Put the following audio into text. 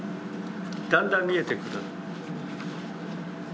だんだん見えてくる。